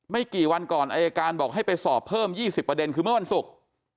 กี่วันก่อนอายการบอกให้ไปสอบเพิ่ม๒๐ประเด็นคือเมื่อวันศุกร์